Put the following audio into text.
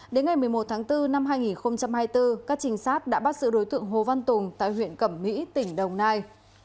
đến ngày một mươi một tháng bốn năm hai nghìn hai mươi bốn các trinh sát đã bắt sự đối tượng hồ văn tùng tại huyện cẩm mỹ tỉnh đồng nai